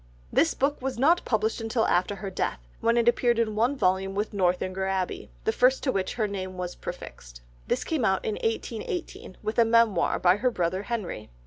This book was not published until after her death, when it appeared in one volume with Northanger Abbey, the first to which her name was prefixed, this came out in 1818 with a Memoir by her brother Henry.